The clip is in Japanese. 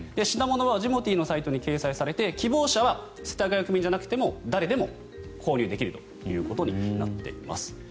品物はジモティーのサイトに掲載されて希望者は世田谷区民じゃなくても誰でも購入できるということになっています。